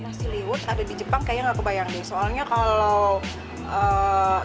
nasi liwet ada di jepang kayaknya gak kebayangin soalnya kalau